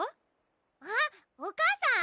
あっお母さん！